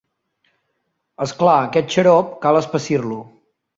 És clar, aquest xarop: cal espessir-lo.